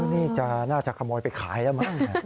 นี่น่าจะขโมยไปขายแล้วมั้ง